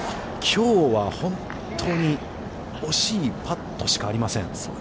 きょうは本当に、惜しいパットしかありません。